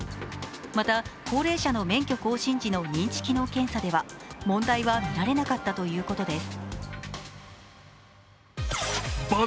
また高齢者の免許更新時の認知機能検査では問題は見られなかったということです。